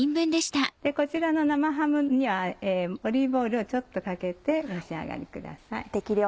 こちらの生ハムにはオリーブオイルをちょっとかけてお召し上がりください。